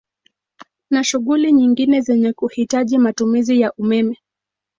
Na shughuli nyingine zenye kuhitaji matumizi ya umeme